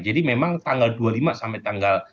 jadi memang tanggal dua puluh lima sampai tanggal tiga puluh